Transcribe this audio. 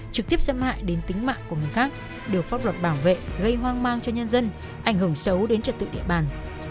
trực tiếp xâm hại đến tính mạng của người khác được pháp luật bảo vệ gây hoang mang cho nhân dân ảnh hưởng xấu đến trật tự địa bàn